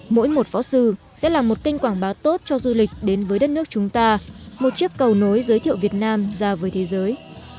mỗi một võ sư sẽ là một kênh quảng bá tốt cho du lịch đến với đất nước chúng ta một chiếc cầu nối giới thiệu việt nam ra với thế giới